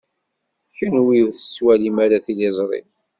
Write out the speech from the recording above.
Kenwi ur tettwalim ara tiliẓri.